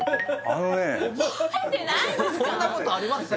あのねそんなことあります？